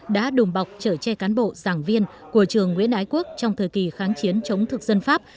đã đùm bọc trở che cán bộ giảng viên của trường nguyễn ái quốc trong thời kỳ kháng chiến chống thực dân pháp